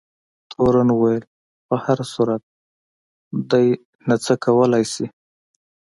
تورن وویل په هر صورت دی نه څه کولای شي.